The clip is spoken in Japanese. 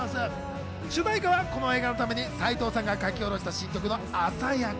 主題歌はこの映画のために斉藤さんが書き下ろした新曲の『朝焼け』。